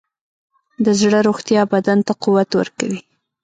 د زړه روغتیا بدن ته قوت ورکوي.